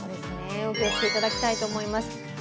お気をつけいただきたいと思います。